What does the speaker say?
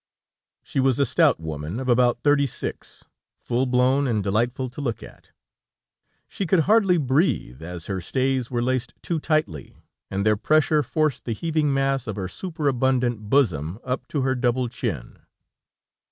She was a stout woman, of about thirty six, full blown and delightful to look at. She could hardly breathe, as her stays were laced too tightly, and their pressure forced the heaving mass of her superabundant bosom up to her double chin.